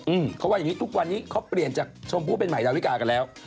อืมเขาว่าอย่างงี้ทุกวันนี้เขาเปลี่ยนจากชมพู่เป็นใหม่ดาวิกากันแล้ว